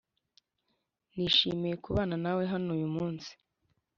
nishimiye kubana nawe hano uyu munsi.